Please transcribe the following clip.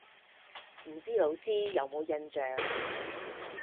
唔知老師有冇印象